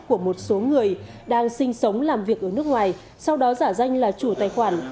của một số người đang sinh sống làm việc ở nước ngoài sau đó giả danh là chủ tài khoản